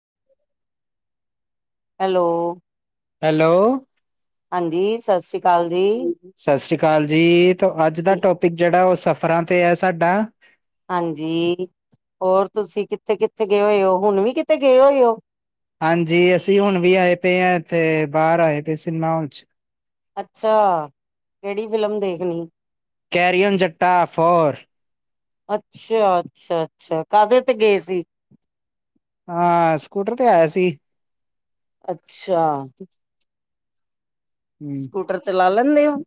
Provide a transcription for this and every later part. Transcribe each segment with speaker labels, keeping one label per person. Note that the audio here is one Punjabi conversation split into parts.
Speaker 1: [unintelligible]
Speaker 2: ਹੈਲੋ-
Speaker 1: ਹੈਲੋ-
Speaker 2: ਹਾਂਜੀ ਸਤਿ ਸ੍ਰੀ ਅਕਾਲ ਜੀ।
Speaker 1: ਸਤਿ ਸ਼੍ਰੀ ਅਕਾਲ ਜੀ ਅੱਜ ਦਾ
Speaker 2: ਕੀ
Speaker 1: ਟੋਪਿਕ ਜਿਹੜਾ ਉਹ ਸਫ਼ਰਾਂ ਤੇ ਹੈ ਸਾਡਾ
Speaker 2: ਹਾਂਜੀ ਹੋਰ ਤੁਸੀਂ ਕਿੱਥੇ ਕਿੱਥੇ ਗਏ ਹੋਏ ਹੋ ਹੁਣ ਵੀ ਕਿੱਥੇ ਗਏ ਹੋਏ ਹੋ
Speaker 1: ਹਾਂਜੀ ਅਸੀਂ ਹੁਣ ਵੀ ਆਏ ਪਏ ਆ ਇੱਥੇ ਬਾਹਰ ਆਏ ਪਏ ਸਿਨੇਮਾ ਹਾਲ
Speaker 2: ਅੱਛਾ ਕਿਹੜੀ ਫਿਲਮ ਦੇਖਣੀ
Speaker 1: ਕੈਰੀਓਨ ਜੱਟਾ ਫੌਰ-
Speaker 2: ਅੱਛਾ ਅੱਛਾ ਅੱਛਾ ਕਾਹਦੇ ਤੇ ਗਏ ਸੀ-
Speaker 1: ਹਾਂ ਸਕੂਟਰ ਤੇ ਆਇਆ ਸੀ।
Speaker 2: ਅੱਛਾ-
Speaker 1: ਹੂੰ,
Speaker 2: ਸਕੂਟਰ ਚਲਾ ਲੈਂਦੇ ਹੋ-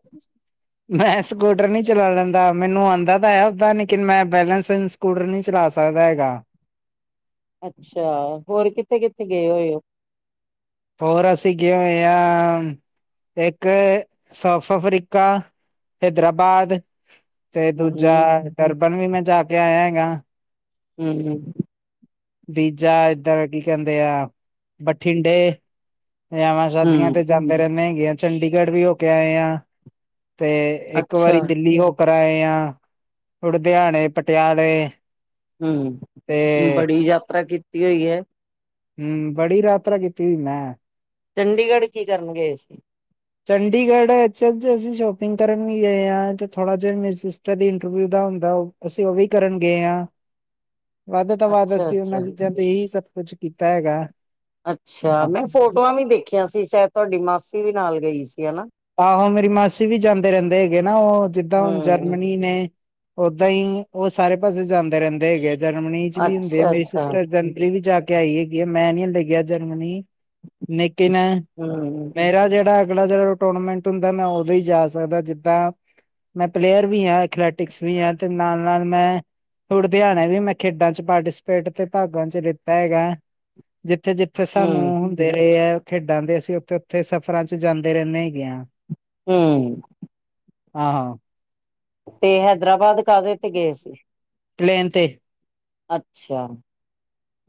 Speaker 1: ਮੈਂ ਸਕੂਟਰ ਨਹੀਂ ਚਲਾ ਲੈਂਦਾ ਮੈਨੂੰ ਆਉਂਦਾ ਤਾਂ ਹੈ ਹੀਲੇਕਿਨ ਮੈਂ ਬੈਲਸ ਸਕੂਟਰ ਨਹੀਂ ਚਲਾ ਸਕਦਾ ਏਗਾ
Speaker 2: ਅੱਛਾ ਹੋਰ ਕਿੱਥੇ ਕਿੱਥੇ ਗਏ ਹੋਏ ਹੋ,
Speaker 1: ਹੋਰ ਅਸੀਂ ਗਏ ਹੋਏ ਅਕ ਉਹ ਇੱਕ ਸਾਊਥ ਅਫਰੀਕਾ ਹੈਦਰਾਬਾਦ- ਤੇ ਦੂਜਾ
Speaker 2: ਹੂੰ,
Speaker 1: ਗਰਬਨ ਵੀ ਮੈਂ ਜਾ ਕੇ ਆਇਆ ਹੈਗਾ-
Speaker 2: ਹੂੰ ਹੂੰ
Speaker 1: ਬੀਜਾ ਏਧਰ ਕੀ ਕਹਿੰਦੇ ਆ ਬਠਿੰਡੇ- ਵਿਆਵਾਂ ਸ਼ਾਦੀਆਂ
Speaker 2: ਹੂੰ
Speaker 1: ਤੇ ਜਾਂਦੇ ਰਹਿੰਦੇ ਹੈਗੇ ਆ ਚੰਡੀਗੜ੍ਹ ਵੀ ਹੋ ਕੇ ਆਏ ਆ- ਤੇ ਇੱਕ
Speaker 2: ਅੱਛਾ,
Speaker 1: ਵਾਰੀ ਦਿੱਲੀ ਹੋ ਕਰ ਆਏ ਆ ਲੁਧਿਆਣੇ ਪਟਿਆਲੇ- ਤੇ
Speaker 2: ਹੂੰ ਬੜੀ ਯਾਤਰਾ ਕੀਤੀ ਹੋਈ ਐ।
Speaker 1: ਹੂੰ ਬੜੀ ਯਾਤਰਾ ਕੀਤੀ ਹੋਈ ਮੈਂ
Speaker 2: ਚੰਡੀਗੜ੍ਹ ਕੀ ਕਰਨ ਗਏ ਸੀ?
Speaker 1: ਚੰਡੀਗੜ੍ਹ ਅਕਚੂਅਲ ਚ ਅਸੀਂ ਸ਼ੋਪਿੰਗ ਕਰਨ ਵੀ ਗਏ ਆ ਤੇ ਥੋੜਾ ਜਿਆ ਮੇਰੇ ਸਿਸਟਰ ਦੀ ਇੰਟਰਵਿਊ ਦਾ ਹੁੰਦਾ ਅਸੀਂ ਓ ਵੀ ਕਰਨ ਗਏ ਆ
Speaker 2: [unintelligible]
Speaker 1: ਵੱਧ ਤੋਂ ਵੱਧ
Speaker 2: ਅੱਛਾ,
Speaker 1: ਅਸੀਂ ਉਂਨਾਂ
Speaker 2: ਅੱਛਾ
Speaker 1: ਚੀਜ਼ਾਂ ਤੇ ਈ ਸਭ ਕੁਛ ਕੀਤਾ ਹੈਗਾ।
Speaker 2: ਅੱਛਾ ਮੈਂ ਫੋਟੋਆਂ ਵੀ ਦੇਖੀਆਂ ਸੀ ਸ਼ਾਇਦ ਤੁਹਾਡੀ ਮਾਸੀ ਵੀ ਨਾਲ ਗਈ ਸੀ ਹਨਾ।
Speaker 1: ਆਹੋ ਮੇਰੀ ਮਾਸੀ ਵੀ ਜਾਂਦੇ ਰੈਦੇ ਹੈਗੇ ਨਾ ਓ ਜਿੱਦਾਂ ਹੁਣ
Speaker 2: ਹੂੰ
Speaker 1: ਜਰਮਨੀ ਨੇ ਓਦਾਂ ਈ ਓ ਸਾਰੇ ਪਾਸੇ ਜਾਂਦੇ। ਰਹਿੰਦੇ ਹੈਗੇ ਆ ਜਰਮਨੀ ਚ ਵੀ ਹੁੰਦੇ ਆ
Speaker 2: ਅੱਛਾ
Speaker 1: ਮੇਰੀ
Speaker 2: ਅੱਛਾ
Speaker 1: ਸਿਸਟਰ [unintelligible] ਵੀ ਜਾ ਕੇ ਕੇ ਆਈ ਹੈਗੀ ਆ ਮੈਂ ਨੀ ਹਲੇ ਗਿਆ ਜਰਮਨੀ ਲੇਕਿਨ
Speaker 2: ਹੂੰ
Speaker 1: ਮੇਰਾ ਜੇੜਾ ਅਗਲਾ ਜੇੜਾ ਟੂਰਨਾਮੈਂਟ ਹੁੰਦਾ ਮੈਂ ਓਦੋਂ ਈ ਜਾ ਸਕਦਾ ਜਿੱਦਾਂ ਮੈਂ ਪਲੇਅਰ ਵੀ ਆ, ਅਥਲੈਟਿਕਸ ਵੀ ਆ, ਤੇ ਨਾਲ ਨਾਲ ਮੈਂ ਲੁਧਿਆਣੇ ਵੀ ਮੈਂ ਖੇਡਾਂ ਚ ਪਾਰਟੀਸਪੇਟ ਤੇ ਭਾਗਾਂ ਚ ਲੀਤਾ ਹੈਗਾ ਜਿੱਥੇ-ਜਿੱਥੇ ਸਾਨੂੰ
Speaker 2: ਹੂੰ
Speaker 1: ਹੁੰਦੇ ਰੇ ਆ ਖੇਡਾਂ ਦੇ ਅਸੀਂ ਓਥੇ-ਓਥੇ ਸਫ਼ਰਾਂ ਚ ਜਾਂਦੇ ਰੇਨੇ ਗਿਆਂ।
Speaker 2: ਹੂੰ,
Speaker 1: ਹਾਂ-ਹਾਂ
Speaker 2: ਤੇ ਹੈਦਰਾਬਾਦ ਕਾਹਦੇ ਤੇ ਗਏ ਸੀ।
Speaker 1: ਪਲੇਨ ਤੇ।
Speaker 2: ਅੱਛਾ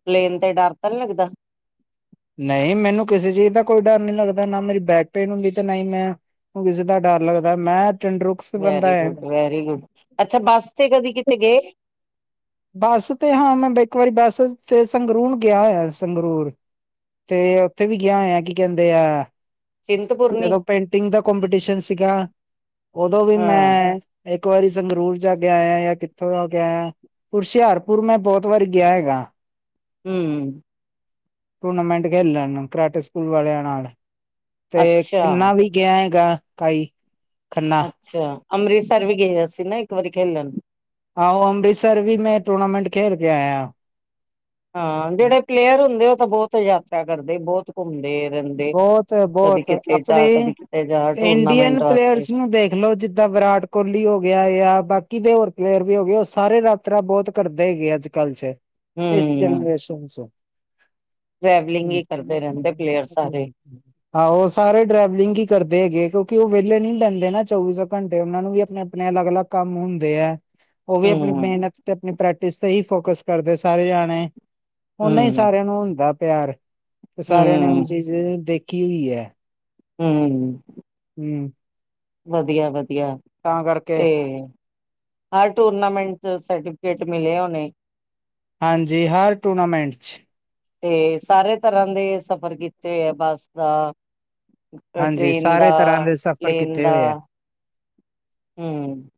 Speaker 2: ਪਲੇਨ ਤੇ ਡਰ ਤਾਂ ਨੀ ਲੱਗਦਾ।
Speaker 1: ਨਈ ਮੈਨੂੰ ਕਿਸੇ ਚੀਜ਼ ਦਾ ਕੋਈ ਡਰ ਨੀ ਲੱਗਦਾ ਨਾ ਮੇਰੀ ਬੈਕ ਪੇਨ ਹੁੰਦੀ ਤੇ ਨਾ ਮੈਂ ਕਿਸੇ ਦਾ ਡਰ ਲੱਗਦਾ ਮੈਂ ਤੰਦਰੁਸਤ ਬੰਦਾ
Speaker 2: ਵੈਰੀ
Speaker 1: ਹੈ
Speaker 2: ਗੁਡ ਵੈਰੀ ਗੁਡ ਅੱਛਾ ਬੱਸ ਤੇ ਕਦੀ ਕਿਤੇ ਗਏ।
Speaker 1: ਬੱਸ ਤੇ ਹਾਂ ਮੈਂ ਇੱਕ ਵਾਰੀ ਬੱਸ ਤੇ ਸੰਗਰੂਰ ਗਿਆ ਹੋਇਆ ਸੰਗਰੂਰ। ਤੇ ਓਥੇ ਵੀ ਗਿਆ ਹੋਇਆ ਕੀ ਕਹਿੰਦੇ ਆ
Speaker 2: ਚਿੰਤਪੁਰਨੀ
Speaker 1: ਜਦੋਂ ਪੇਂਟਿੰਗ ਦਾ ਕੋਪੀਟੀਸ਼ਨ ਸੀਗਾ, ਉਦੋਂ ਵੀ
Speaker 2: ਹਾਂ
Speaker 1: ਮੈਂ ਇੱਕ ਇਕ ਵਾਰੀ ਸੰਗਰੂਰ ਜਾ ਕੇ ਆਇਆ ਜਾਂ ਕਿੱਥੋਂ ਆ ਕੇ ਆਇਆਂ। ਹੁਸ਼ਿਆਰਪੁਰ ਮੈਂ ਬੋਤ ਵਾਰ ਗਿਆ ਹੈਗਾ।
Speaker 2: ਹੂੰ,
Speaker 1: ਟੂਰਨਾਮੈਂਟ ਖੇਲਣ ਕਰਾਟੇ ਸਕੂਲ ਵਾਲਿਆਂ ਨਾਲ। ਤੇ
Speaker 2: ਅੱਛਾ
Speaker 1: ਕਿੰਨਾ ਵੀ ਗਿਆ ਹੈਗਾ ਕਾਈ ਖੰਨਾ
Speaker 2: ਅੱਛਾ ਅੰਮ੍ਰਿਤਸਰ ਵੀ ਗਏ ਸੀਂ ਨਾ ਇੱਕ ਵਾਰੀ ਖੇਲਣ
Speaker 1: ਆਹੋ ਅੰਮ੍ਰਿਤਸਰ ਵੀ ਮੈਂ ਟੂਰਨਾਮੈਂਟ ਖੇਡ ਕੇ ਆਇਆ।
Speaker 2: ਹਾਂ ਜੇੜੇ ਪਲੇਅਰ ਹੁੰਦੇ ਓ ਤਾਂ ਬਹੁਤ ਯਾਤਰਾ ਕਰਦੇ ਬੋਤ ਘੁੰਮਦੇ ਰਹਿੰਦੇ ਕਦੀ
Speaker 1: ਬੋਤ-ਬੋਤ
Speaker 2: ਕਿਤੇ
Speaker 1: ਆਪਨੇ
Speaker 2: ਜਾ ਕਦੀ ਕਿਤੇ ਜਾ ਟੂਰਨਾਮੈਂਟ
Speaker 1: ਇੰਡੀਅਨ
Speaker 2: ਵਾਸਤੇ
Speaker 1: ਪਲੇਅਰਸ ਨੂੰ ਦੇਖਲੋ ਜਿੱਦਾਂ ਵਿਰਾਟ ਕੋਹਲੀ ਹੋ ਗਿਆ ਜਾਂ ਬਾ ਕੀ ਦੇ ਹੋਰ ਪਲੇਅਰ ਵੀ ਹੋ ਗਏ ਓ ਸਾਰੇ ਯਤਰਾ ਬੋਤ ਕਰਦੇ ਹੈਗੇ ਅੱਜ- ਕੱਲ ਚ ਇਸ ਜ਼ਨਰੇਸ਼ਨ ਚ
Speaker 2: ਟਰੈਵਲਿੰਗ ਈ ਕਰਦੇ ਰਹਿੰਦੇ ਪਲੇਅਰਸ।
Speaker 1: ਆਹੋ ਸਾਰੇ ਡਰੈਵਲਿੰਗ ਈ ਕਰਦੇ ਹੈਗੇ ਕਿਉਂ ਕਿ ਓ ਵਿਹਲੇ ਨੀ ਬਹਿੰਦੇ ਨਾ ਚੌਵੀ ਸੌ ਘੰਟੇ ਉਹਨਾਂ ਨੂੰ ਵੀ ਆਪਣੇ -ਆਪਣੇ ਅਲੱਗ-ਅਲੱਗ ਕੰਮ ਹੁੰਦੇ ਐ। ਓ ਵੀ ਆਪਣੀ
Speaker 2: ਹੂੰ
Speaker 1: ਮਿਹਨਤ ਤੇ ਆਪਣੀ ਪ੍ਰੈਕਟਿਸ ਤੇ ਹੀ ਫੋਕਸ ਕਰਦੇ ਸਾਰੇ ਜਾਣੇ। ਓਨਾ ਹੀ
Speaker 2: ਹੂੰ
Speaker 1: ਸਾਰਿਆਂ ਨੂੰ ਹੁੰਦਾ ਪਿਆਰ। ਤੇ
Speaker 2: ਹੂੰ,
Speaker 1: ਸਾਰਿਆਂ ਨੇ ਉਹ ਚੀਜ਼ ਦੇਖੀ ਹੋਈ ਐ।
Speaker 2: ਹੂੰ,
Speaker 1: ਹੂੰ,
Speaker 2: ਵਧੀਆ- ਵਧੀਆ ਤੇ ਹਰ ਟੂਰਨਾਮੈਂਟ ਚ ਸਰਟੀਫਿਕੇਟ ਮਿਲੇ ਹੋਣੇ।
Speaker 1: ਹਾਂਜੀ ਹਰ ਟੂਰਨਾਮੈਂਟ ਚ।
Speaker 2: ਤੇ ਸਾਰੇ ਤਰ੍ਹਾਂ ਦੇ ਸਫ਼ਰ ਕੀਤੇ ਹੈ ਬੱਸ ਦਾ
Speaker 1: ਹਾਂਜੀ
Speaker 2: ਟ੍ਰੇਨ
Speaker 1: ਸਾਰੇ ਤਰ੍ਹਾਂ
Speaker 2: ਦਾ,
Speaker 1: ਦੇ ਸਫ਼ਰ
Speaker 2: ਪਲੇਨ
Speaker 1: ਕੀਤੇ
Speaker 2: ਦਾ।
Speaker 1: ਹੋਏ ਆ
Speaker 2: ਹੂੰ।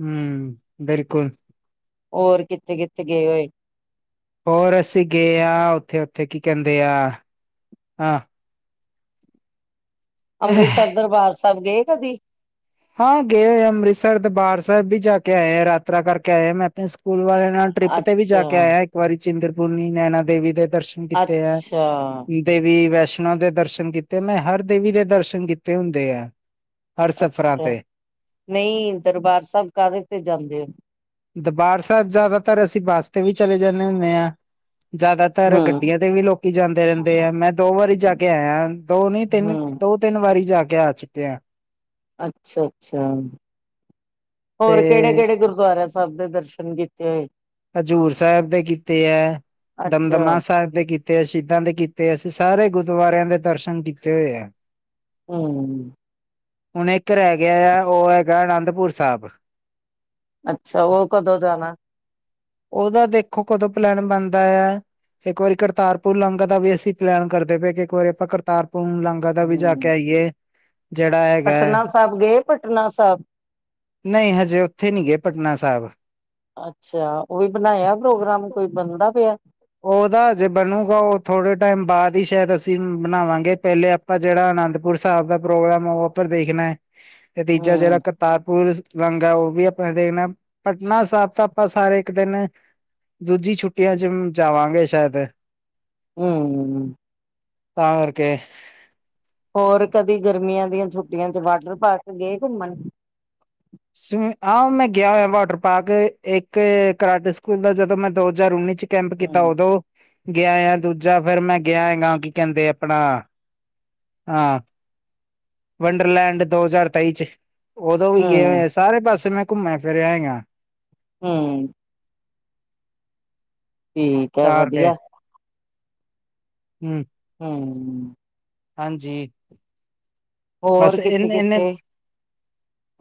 Speaker 1: ਹੂੰ, ਬਿਲਕੁਲ।
Speaker 2: ਹੋਰ ਕਿੱਥੇ- ਕਿੱਥੇ ਗਏ ਹੋਏ।
Speaker 1: ਹੋਰ ਅਸੀਂ ਗਏ ਹਾਂ ਉੱਥੇ- ਉੱਥੇ ਕੀ ਕਹਿੰਦੇ ਆ ਹਾਂ
Speaker 2: ਅੰਮ੍ਰਿਤਸਰ ਦਰਬਾਰ ਸਾਹਿਬ ਗਏ ਕਦੀ।
Speaker 1: ਹਾਂ ਗਏ ਹੋਏ ਆ ਅੰਮ੍ਰਿਤਸਰ ਦਰਬਾਰ ਸਾਹਿਬ ਵੀ ਜਾ ਕੇ ਆਏ ਆ ਯਤਰਾ ਕਰਕੇ ਆਏ ਮੈਂ ਪੁ ਸਕੂਲ ਵਾਲੇ ਨਾਲ ਟ੍ਰਿਪ ਤੇ ਵੀ ਜਾ ਕੇ
Speaker 2: ਅੱਛਾ
Speaker 1: ਆਇਆ ਇੱਕ ਵਾਰੀ ਚਿੰਤਪੁਰਨੀ, ਨੈਨਾ ਦੇਵੀ ਦੇ ਦਰਸ਼ਨ ਕੀਤੇ ਐ,
Speaker 2: ਅੱਛਾ
Speaker 1: ਦੇਵੀ ਵੈਸ਼ਨੋ ਦੇ ਦਰਸ਼ਨ ਕੀਤੇ ਮੈਂ ਹਰ ਦੇਵੀ ਦੇ ਦਰਸ਼ਨ ਕੀਤੇ ਹੁੰਦੇ ਐ ਹਰ ਸਫ਼ਰਾਂ
Speaker 2: ਅੱਛਾ
Speaker 1: ਤੇ
Speaker 2: ਨਹੀਂ ਦਰਬਾਰ ਸਾਹਿਬ ਕਾਹਦੇ ਤੇ ਜਾਂਦੇ ਹੋ।
Speaker 1: ਦਰਬਾਰ ਸਾਹਿਬ ਜ਼ਿਆਦਾਤਰ ਅਸੀਂ ਬੱਸ ਤੇ ਵੀ ਚਲੇ ਜਾਂਦੇ ਹੁੰਦੇ ਹਾਂ। ਜ਼ਿਆਦਾਤਰ
Speaker 2: ਹੂੰ।
Speaker 1: ਗੱਡੀਆਂ ਤੇ ਵੀ ਲੋਕੀ ਜਾਂਦੇ ਰਹਿੰਦੇ ਆ, ਮੈਂ ਦੋ ਵਾਰੀ ਜਾ ਕੇ ਆਇਆ ਦੋ ਨੀ ਤਿੰਨ
Speaker 2: ਹੂੰ,
Speaker 1: ਦੋ ਤਿੰਨ ਵਾਰੀ ਜਾ ਕੇ ਆ ਚੁੱਕੇ ਆ।
Speaker 2: ਅੱਛਾ-ਅੱਛਾ, ਹੋਰ
Speaker 1: ਤੇ
Speaker 2: ਕਿਹੜੇ-ਕਿਹੜੇ ਗੁਰਦੁਆਰੇ ਸਭ ਦੇ ਦਰਸ਼ਨ ਕੀਤੇ ਹੋਏ।
Speaker 1: ਹਜ਼ੂਰ ਸਾਹਿਬ ਦੇ ਕੀਤੇ ਹੈ, ਦਮਦਮਾ
Speaker 2: ਅੱਛਾ,
Speaker 1: ਸਾਹਿਬ ਦੇ ਕੀਤੇ ਤੇ ਸ਼ਹੀਦਾਂ ਦੇ ਕੀਤੇ ਅਸੀਂ ਸਾਰੇ ਗੁਰਦੁਆਰਿਆਂ ਦੇ ਦਰਸ਼ਨ ਕੀਤੇ ਹੋਏ ਆ
Speaker 2: ਹੂੰ,
Speaker 1: ਹੁਣ ਇੱਕ ਰਹਿ ਗਿਆ ਹੈ ਉਹ ਹੈਗਾ ਅਨੰਦਪੁਰ ਸਾਹਿਬ।
Speaker 2: ਅੱਛਾ ਉਹ ਕਦੋਂ ਜਾਣਾ।
Speaker 1: ਉਹਦਾ ਦੇਖੋ ਕਦੋਂ ਪਲੈਨ ਬਣਦਾ ਆ। ਇੱਕ ਵਾਰੀ ਕਰਤਾਰਪੁਰ ਲਾਂਗੇ ਦਾ ਵੀ ਅਸੀਂ ਪਲੈਨ ਕਰਦੇ ਪਏ ਕਿ ਇੱਕ ਵਾਰੀ ਆਪਾਂ ਕਰਤਾਰਪੁਰ ਲਾਂਗਾ ਦਾ ਵੀ ਜਾ ਕੇ
Speaker 2: ਹੂੰ,
Speaker 1: ਆਈਏ। ਜਿਹੜਾ ਹੈਗਾ
Speaker 2: ਪਟਨਾ ਸਾਹਿਬ ਗਏ ਪਟਨਾ ਸਾਹਿਬ?
Speaker 1: ਨਹੀਂ ਹਜੇ ਉੱਥੇ ਨਹੀਂ ਗਏ ਪਟਨਾ ਸਾਹਿਬ।
Speaker 2: ਅੱਛਾ ਉਹ ਵੀ ਬਣਾਇਆ ਪ੍ਰੋਗਰਾਮ ਕੋਈ ਬਣਦਾ ਪਿਆ।
Speaker 1: ਉਹਦਾ ਜੇ ਬਣੂਗਾ ਉਹ ਥੋੜੇ ਟਾਈਮ ਬਾਅਦ ਹੀ ਸ਼ਾਇਦ ਅਸੀਂ ਬਣਾਵਾਂਗੇ ਪਹਿਲੇ ਆਪਾਂ ਜਿਹੜਾ ਆ ਆਨੰਦਪੁਰ ਸਾਹਿਬ ਦਾ ਪ੍ਰੋਗਰਾਮ ਉਪਰ ਦੇਖਣਾ, ਤੇ ਤੀਜਾ ਜਿਹੜਾ
Speaker 2: ਹੂੰ,
Speaker 1: ਕਰਤਾਰਪੁਰ ਲੰਗ ਉਹ ਵੀ ਆਪਾਂ ਦੇਖਣਾ ਪਟਨਾ ਸਾਹਿਬ ਤਾਂ ਆਪਾਂ ਸਾਰੇ ਇੱਕ ਦਿਨ ਦੂਜੀ ਛੁੱਟੀਆਂ ਚ ਵੀ ਜਾਵਾਂਗੇ ਸ਼ਾਇਦ।
Speaker 2: ਹੂੰ,
Speaker 1: ਤਾਂ ਕਰਕੇ।
Speaker 2: ਹੋਰ ਕਦੀ ਗਰਮੀਆਂ ਦੀਆਂ ਛੁੱਟੀਆਂ ਚ ਵਾਟਰ ਪਾਰਕ ਗਏ ਘੁੰਮਣ।
Speaker 1: ਆਹ ਮੈਂ ਗਿਆ ਹੋਇਆ ਵਾਟਰ ਪਾਰਕ ਇੱਕ ਕਰਾਟੇ ਸਕੂਲ ਦਾ ਜਦੋਂ ਮੈਂ ਦੋ ਹਜ਼ਾਰ ਉੱਨੀ ਚ ਕੈਂਪ ਕੀਤਾ
Speaker 2: ਹੂੰ,
Speaker 1: ਉਦੋਂ। ਗਿਆ ਆ ਦੂਜਾ ਫਿਰ ਮੈਂ ਗਿਆ ਹੈਗਾ ਕੀ ਕਹਿੰਦੇ ਆਪਣਾ ਹਾਂ ਵੰਡਰਲੈਂਡ ਦੋ ਹਜ਼ਾਰ ਤੇਈ ਚ, ਉਦੋਂ ਵੀ ਗਏ
Speaker 2: ਹੂੰ,
Speaker 1: ਹੋ ਸਾਰੇ ਪਾਸੇ ਮੈਂ ਘੁੰਮਿਆ ਫਿਰਿਆ ਆ।
Speaker 2: ਹੂੰ, ਠੀਕ ਹੈ ਵਧੀਆ।
Speaker 1: ਹੂੰ,
Speaker 2: ਹੂੰ,
Speaker 1: ਹਾਂਜੀ,
Speaker 2: ਹੋਰ
Speaker 1: ਬਸ ਇਹਨੇ ਇਨੇ
Speaker 2: ਕਿੱਥੇ-ਕਿੱਥੇ?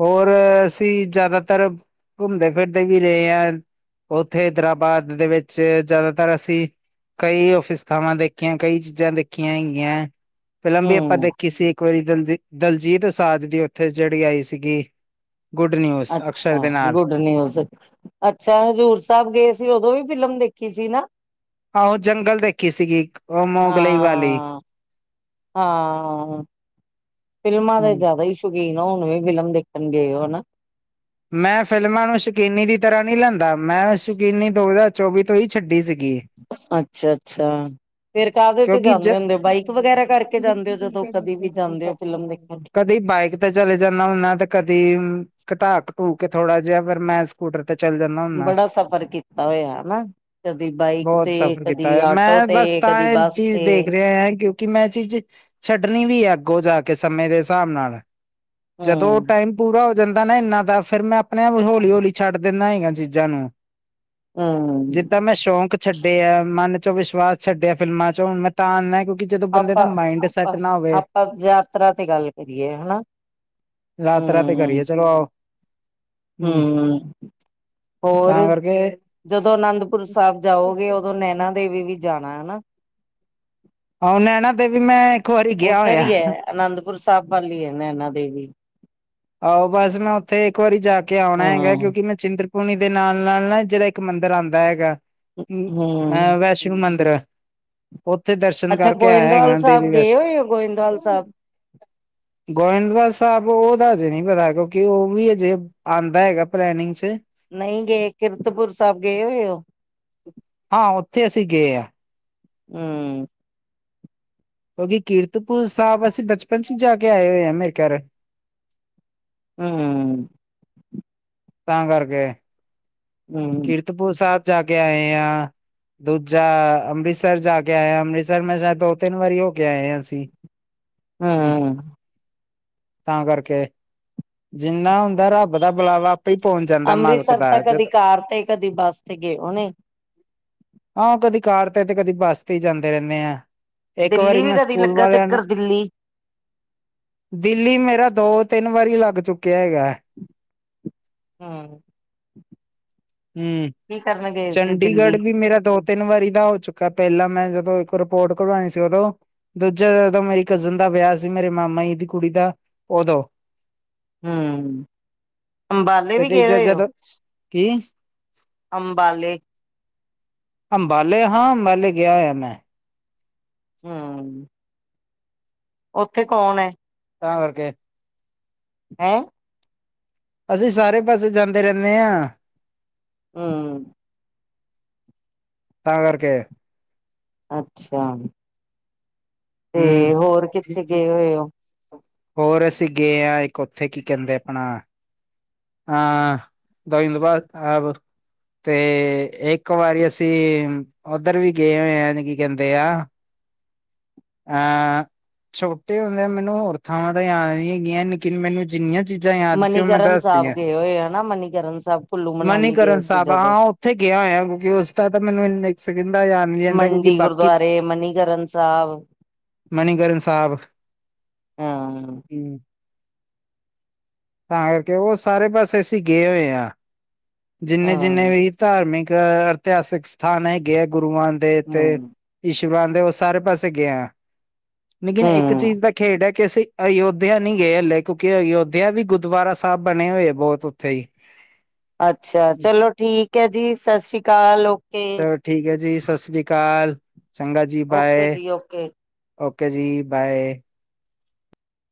Speaker 1: ਹੋਰ ਅਸੀਂ ਜ਼ਿਆਦਾਤਰ ਘੁੰਮਦੇ ਫਿਰਦੇ ਵੀ ਰਹੇ ਹਾਂ। ਉੱਥੇ ਹੈਦਰਾਬਾਦ ਦੇ ਵਿੱਚ ਜ਼ਿਆਦਾਤਰ ਅਸੀਂ ਕਈ ਫਿਸਥਾਵਾਂ ਦੇਖੀਆਂ, ਕਈ ਚੀਜ਼ਾਂ ਦੇਖੀਆਂ ਹੈਗੀਆਂ। ਫਿਲਮ ਵੀ ਆਪਾਂ
Speaker 2: ਹੂੰ।
Speaker 1: ਦੇਖੀ ਸੀ ਇੱਕ ਵਾਰੀ ਦਲਜੀ ਦਲਜੀਤ ਉਸਾਜ ਦੀ ਉੱਥੇ ਜਿਹੜੀ ਆਈ ਸੀਗੀ। ਗੁੱਡ ਨਿਊਜ਼
Speaker 2: ਅੱਛਾ
Speaker 1: ਅਕਸ਼ਰ ਦੇ ਨਾਲ
Speaker 2: ਗੁੱਡ ਨਿਊਜ਼, ਅੱਛਾ ਹਜ਼ੂਰ ਸਾਹਿਬ ਗਏ ਸੀ ਉਦੋਂ ਵੀ ਫਿਲਮ ਦੇਖੀ। ਕਿ ਸੀ ਨਾ।
Speaker 1: ਆਹੋ ਜੰਗਲ ਦੇਖੀ ਸੀਗੀ ਉਹ ਮੋਗਲੇਈ ਵਾਲੀ।
Speaker 2: ਹਾਂ ਹਾਂ, ਫਿਲਮਾਂ ਦੇ
Speaker 1: ਹਮ
Speaker 2: ਜ਼ਿਆਦਾ ਹੀ ਸ਼ੌਕੀਨ ਆ, ਹੁਣ ਵੀ ਫਿਲਮ ਦੇਖਣ ਗਏ ਹੋ ਹਨਾ।
Speaker 1: ਮੈਂ ਫ਼ਿਲਮਾਂ ਨੂੰ ਸ਼ਕੀਨੀ ਦੀ ਤਰ੍ਹਾਂ ਨਹੀਂ ਲੈਂਦਾ ਮੈਂ ਸ਼ਕੀਨੀ ਦੋ ਹਜ਼ਾਰ ਚੌਵੀ ਤੋਂ ਹੀ ਛੱਡੀ ਸੀਗੀ।
Speaker 2: ਅੱਛਾ- ਅੱਛਾ, ਫਿਰ ਕਾਹਦੇ ਤੇ
Speaker 1: ਕਿਉਂਕਿ ਜ
Speaker 2: ਜਾਂਦੇ ਹੁੰਦੇ, ਬਾਈਕ ਵਗੈਰਾ ਕਰਕੇ ਜਾਂਦੇ ਹੋ ਜਦੋਂ ਕਦੇ ਵੀ ਜਾਂਦੇ ਹੋ ਫਿਲਮ ਦੇਖਣ।
Speaker 1: ਕਦੀ ਬਾਈਕ ਤੇ ਚਲੇ ਜਾਂਦਾ ਹੁੰਨਾ, ਤੇ ਕਦੀ ਘਟਾ-ਘਟੂ ਕੇ ਥੋੜਾ ਜਿਹਾ ਫੇਰ ਮੈਂ ਸਕੂਟਰ ਤੇ ਚੱਲ ਜਾਂਦਾ ਹੁੰਨਾ।
Speaker 2: ਬੜਾ ਸਫ਼ਰ ਕੀਤਾ ਹੋਇਆ ਹਨਾ, ਕਦੀ ਬਾਈਕ
Speaker 1: ਬਹੁਤ
Speaker 2: ਤੇ
Speaker 1: ਸਫ਼ਰ ਕੀਤਾ
Speaker 2: ਕਦੀ
Speaker 1: ਹੈ
Speaker 2: ਆਟੋ
Speaker 1: ਮੈਂ
Speaker 2: ਤੇ।
Speaker 1: ਬਸ
Speaker 2: ਇਹ
Speaker 1: ਤਾਂ
Speaker 2: ਕਦੀ ਬਸ
Speaker 1: ਚੀਜ਼ ਦੇਖ ਰਿਹਾ ਹੈ, ਕਿਉਂਕਿ ਮੈਂ ਚੀਜ਼ ਛੱਡਣੀ ਵੀ ਹੈ ਅੱਗੋਂ ਜਾ ਕੇ ਸਮੇਂ ਦੇ ਹਿਸਾਬ ਨਾਲ, ਜਦੋਂ ਉਹ
Speaker 2: ਹਮ
Speaker 1: ਟਾਈਮ ਪੂਰਾ ਹੋ ਜਾਂਦਾ ਨਾ ਇੰਨਾ ਦਾ, ਫੇਰ ਮੈਂ ਆਪਣੇ ਹੌਲੀ-ਹੌਲੀ ਛੱਡ ਦਿੰਦਾ। ਚੀਜ਼ਾਂ ਨੂੰ,
Speaker 2: ਹਮ
Speaker 1: ਜਿੱਦਾਂ ਮੈਂ ਸ਼ੌਂਕ ਛੱਡੇ ਆ ਮਨ ਚ ਵਿਸ਼ਵਾਸ ਛੱਡਿਆ ਫਿਲਮਾਂ ਚੁ। ਮੈਂ ਤਾਂ ਆਦਾ
Speaker 2: ਆਪਾਂ ਆਪ ਆਪਾਂ ਯਾਤਰਾ ਤੇ ਗੱਲ ਕਰੀਏ। ਹਨਾ!
Speaker 1: ਯਾਤਰਾ ਤੇ ਕਰੀਏ ਚਲੋ ਆਓ।
Speaker 2: ਹੂੰ ਹੂੰ
Speaker 1: ਤਾਂ ਕਰਕੇ
Speaker 2: ਜਦੋਂ ਅਨੰਦਪੁਰ ਸਾਹਿਬ ਜਾਓਗੇ, ਉਦੋਂ ਨੈਨਾ ਦੇਵੀ ਵੀ ਜਾਣਾ ਹਨਾ।
Speaker 1: ਆ ਨੈਣਾ, ਤੇ ਵੀ ਮੈਂ ਇੱਕ ਵਾਰੀ ਗਿਆ
Speaker 2: ਉੱਧਰ
Speaker 1: ਹੋਇਆ।
Speaker 2: ਹੀ ਹੈ ਅਨੰਦਪੁਰ ਸਾਹਿਬ ਵਾਲੀ ਹੈ, ਨੈਨਾਂ ਦੇਵੀ।
Speaker 1: ਆਹੋ, ਬਸ ਮੈਂ ਉੱਥੇ ਇੱਕ ਵਾਰੀ ਜਾ ਕੇ ਆਉਣਾ
Speaker 2: ਹਾਂ
Speaker 1: ਹੈਗਾ, ਕਿਉਂਕਿ ਮੈਂ ਚਿੰਤ ਪੁਲੀ ਦੇ ਨਾਲ ਨਾਲ ਨਾ ਜਿਹੜਾ ਇੱਕ ਮੰਦਿਰ ਆਉਂਦਾ ਹੈਗਾ।
Speaker 2: ਹੂੰ
Speaker 1: ਅਹ ਵੈਸ਼ਨੋ ਮੰਦਿਰ। ਉੱਥੇ ਦਰਸ਼ਨ
Speaker 2: ਅੱਛਾ
Speaker 1: ਕਰਕੇ ਆਇਆ
Speaker 2: ਗੋਇੰਦਵਾਲ
Speaker 1: ਹੈਗਾ,
Speaker 2: ਸਾਹਿਬ
Speaker 1: ਦੇਵੀ
Speaker 2: ਗਏ
Speaker 1: ਬਸ।
Speaker 2: ਹੋਏ ਹੋ ਗੋਇੰਦਵਾਲ ਸਾਹਿਬ
Speaker 1: ਗੋਇਿੰਦ ਦਾ ਸਾਹਿਬ ਉਹਦਾ ਹਜੇ ਨੀ ਪਤਾ, ਕਿਉਂਕਿ ਉਹ ਵੀ ਅਜੇ ਆਉਂਦਾ ਹੈਗਾ ਪਲੈਨਿੰਗ ਚ।
Speaker 2: ਨਹੀਂ ਗਏ, ਕਿਰਤਪੁਰ ਸਾਹਿਬ ਗਏ ਹੋਏ ਉਹ?
Speaker 1: ਹਾਂ! ਉੱਥੇ ਅਸੀਂ ਗਏ ਹਾਂ।
Speaker 2: ਹੂੰ
Speaker 1: ਕਿਉਕਿ, ਕੀਰਤਪੂਰ ਸਾਹਿਬ ਅਸੀਂ ਬਚਪਨ ਚ ਹੀ ਜਾ ਕੇ ਆਏ ਹੋਏ ਹਾਂ, ਮੇਰੇ ਖਿਆਲ
Speaker 2: ਹੂੰ,
Speaker 1: ਤਾ ਕਰਕੇ।
Speaker 2: ਹੂੰ
Speaker 1: ਕੀਰਤਪੁਰ ਸਾਹਿਬ ਜਾ ਕੇ ਆਏ ਆ। ਦੂਜਾ ਅੰਮ੍ਰਿਤਸਰ ਜਾ ਕੇ ਆਏ, ਅੰਮ੍ਰਿਤਸਰ ਮੈਂ ਸ਼ਾਇਦ ਦੋ ਤਿੰਨ ਵਾਰੀ ਹੋ ਕੇ ਆਏ ਹੈ ਅਸੀਂ। ਹੂੰ, ਤਾਂ ਕਰਕੇ ਜਿੰਨਾ ਹੁੰਦਾ ਰੱਬ ਦਾ ਬੁਲਾਵਾ, ਹੀ ਪਹੁੰਚ ਜਾਂਦਾ ਮਾਲਕ
Speaker 2: ਅੰਮ੍ਰਿਤਸਰ ਤਾਂ
Speaker 1: ਦਾ
Speaker 2: ਕਦੀ
Speaker 1: ਜਦੋਂ
Speaker 2: ਤੇ ਕਦੀ ਬੱਸ ਤੇ ਗਏ। ਉਹਨੇ
Speaker 1: ਹਾਂ ਕਦੀ ਕਾਰ ਤੇ ਤੇ ਕਦੀ ਬੱਸ ਤੇ ਹੀ ਜਾਂਦੇ ਰਹਿੰਦੇ ਆ। ਇੱਕ ਵਾਰੀ
Speaker 2: ਦਿੱਲੀ ਵੀ
Speaker 1: ਮੈਂ
Speaker 2: ਕਦੀ
Speaker 1: ਸਕੂਲ
Speaker 2: ਲੱਗਾ
Speaker 1: ਵਾਲਿਆਂ ਨਾਲ।
Speaker 2: ਚੱਕਰ ਦਿੱਲੀ
Speaker 1: ਦਿੱਲੀ ਮੇਰਾ ਦੋ ਤੇ ਤਿੰਨ ਵਾਰੀ ਲੱਗ ਚੁੱਕਿਆ ਹੈਗਾ।
Speaker 2: ਹੂੰ
Speaker 1: ਹਮ
Speaker 2: ਕੀ ਕਰਨ ਗਏ ਸੀ ਦਿੱਲੀ
Speaker 1: ਚੰਡੀਗੜ੍ਹ ਵੀ ਮੇਰਾ ਦ ਤਿੰਨ ਵਾਰੀ ਦਾ ਹੋ ਚੁੱਕਾ ਪਹਿਲਾਂ ਮੈਂ ਜਦੋਂ ਇੱਕ ਰਿਪੋਰਟ ਕਰਵਾਉਣੀ ਸੀ ਉਦੋਂ, ਦੂਜੇ ਜਦੋਂ ਮੇਰੀ ਕਜ਼ਨ ਦਾ ਵਿਆਹ ਸੀ ਮੇਰੇ ਮਾਮਾ ਜ ਦੀ ਕੁੜੀ ਦਾ,, ਉਦੋਂ
Speaker 2: ਹਮ! ਅੰਬਾਲੇ
Speaker 1: ਤੇ
Speaker 2: ਵੀ ਗ
Speaker 1: ਤੀਜਾ
Speaker 2: ਹੋਏ ਉਹ।
Speaker 1: ਜਦੋਂ ਕੀ
Speaker 2: ਅੰਬਾਲੇ।
Speaker 1: ਅੰਬਾਲੇ ਹਾਂ। ਅੰਬਾਲੇ ਗਿਆ ਹੋਇਆ ਮੈਂ
Speaker 2: ਹੁੰ ਉੱਥੇ ਕੌਣ ਹੈ?
Speaker 1: ਤਾਂ ਕਰਰਕੇ
Speaker 2: ਹੈਂ।
Speaker 1: ਅਸੀਂ ਸਾਰੇ ਪਾਸੇ ਜਾਂਦੇ ਰਹਿੰਦੇ ਆਂ।
Speaker 2: ਹੁੰ
Speaker 1: ਤਾਂ ਕਰਕੇ
Speaker 2: ਅੱਛਾ ਤੇ
Speaker 1: ਹੂੰ
Speaker 2: ਹੋਰ ਕਿੱਥੇ ਗਏ ਹੋਏ ਹੋ।
Speaker 1: ਹੋਰ ਅਸੀਂ ਗਏ ਹਾਂ ਇੱਕ ਉੱਥੇ ਕੀ ਕਹਿੰਦੇ ਆਪਣਾ ਹਾਂ ਦ ਤੋਂ ਬਾਅਦ ਆ [unintelligible] ਤੇ ਇੱਕ ਵਾਰੀ ਅਸੀਂ ਉੱਧਰ ਵੀ ਗਏ ਹੋਏ ਹ ਕੀ ਕਹਿੰਦੇ ਆ ਹਾਂ ਛੋਟੇ ਹੁੰਦਿਆਂ ਮੈਨੂੰ ਹੋਰ ਥਾਵਾਂ ਤਾਂ ਯਾਦ ਨੀ ਹੈਗੀਆਂ, ਲੇਕਿਨ ਮੈਨੂੰ ਜਿੰਨੀਆਂ ਚੀਜ਼ਾਂ ਯਾਦ ਸੀ ਉਹ ਮੈਂ
Speaker 2: ਮਨੀਕਰਨ
Speaker 1: ਦੱਸ
Speaker 2: ਸਾਹਿਬ ਗਏ ਹੋਏ ਹਨਾ ਮਨੀਕਰਨ ਸਾਹਿਬ ਕੁੱਲੂ ਮਨਾਲੀ
Speaker 1: ਮਨੀਕਰਨ
Speaker 2: ਗਏ ਸੀ
Speaker 1: ਸਾਹਿਬ
Speaker 2: ਜਦੋਂ
Speaker 1: ਹਾਂ ਉੱਥੇ ਗਿਆ ਹੋਇਆ ਕਿਉਂਕਿ ਉਸਦਾ ਤਾਂ ਮੈਨੂੰ ਨਖ ਸਕਦਾ ਆ ਨਹੀਂ ਲਦਾ ਕਿਉਂਕਿ
Speaker 2: ਮੰਡੀ
Speaker 1: ਬਾਕੀ [unintelligible]
Speaker 2: ਗੁਰਦੁਆਰੇ ਮਨੀਕਰਨ ਸਾਹਿਬ
Speaker 1: ਮਨੀਕਰਨ ਸਾਹਿਬ
Speaker 2: ਹਾਂ
Speaker 1: ਹੂੰ ਤਾਂ ਕਰਕੇ ਉਹ ਸਾਰੇ ਪਾਸੇ ਅਸੀਂ ਗਏ ਹੋਏ ਹਾਂ। ਜਿੰਨੇ-ਜਿੰਨੇ
Speaker 2: ਹਾਂ
Speaker 1: ਵੀ ਧਾਰਮਿਕ ਇਤਿਹਾਸਿਕ ਸਥਾਨ ਹੈਗੇ ਹੈ ਗੁਰੂਆਂ ਦੇ ਤੇ
Speaker 2: ਹਮ
Speaker 1: ਈਸ਼ਵਰਾਨ ਦੇ ਉਹ ਸਾਰੇ ਪਾਸੇ ਗਏ ਆ। ਲੇਕਿਨ ਇੱਕ
Speaker 2: ਹਮ
Speaker 1: ਚੀਜ਼ ਦਾ ਖੇਡ ਹੈ ਕਿ ਅਸੀਂ ਅਯੋਧਿਆ ਨਹੀਂ ਗਏ ਹਲੇ ਕਿਉਂਕਿ ਅਯੋਧਿਆ ਵੀ ਗੁਰਦੁਆਰਾ ਸਾਹਿਬ ਬਣੇ ਹੋਏ ਬਹੁਤ ਉੱਥੇ ਹੀ।
Speaker 2: ਅੱਛਾ ਚਲੋ ਠੀਕ ਹੈ ਜੀ ਸਤਿ ਸ੍ਰੀ ਅਕਾਲ। ਔ
Speaker 1: ਚਲੋ ਠੀਕ ਹੈ ਜੀ ਸਤਿ ਸ੍ਰੀ ਅਕਾਲ ਚੰਗਾ ਜੀ
Speaker 2: ਓਕੇ
Speaker 1: ਬਾਏ।
Speaker 2: ਜੀ ਓਕੇ
Speaker 1: ਓਕੇ ਜੀ ਬਾਏ।